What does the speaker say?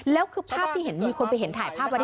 แล้วคือภาพที่เห็นมีคนไปเห็นถ่ายภาพไว้